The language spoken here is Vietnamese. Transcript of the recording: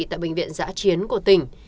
tại bệnh viện giã chiến của tỉnh